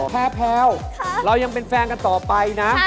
แพรวเรายังเป็นแฟนกันต่อไปนะ